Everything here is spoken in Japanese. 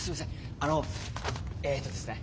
あのえっとですね